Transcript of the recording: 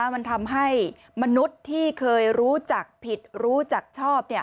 มันทำให้มนุษย์ที่เคยรู้จักผิดรู้จักชอบ